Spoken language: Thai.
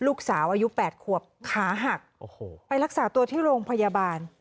ลูกสาวอายุ๘ขวบขาหักโอ้โหไปรักษาตัวที่โรงพยาบาล